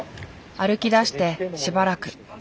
歩きだしてしばらく。